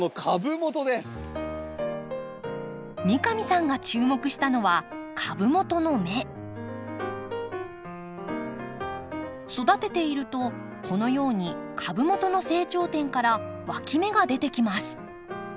三上さんが注目したのは育てているとこのように株元の成長点からわき芽が出てきます。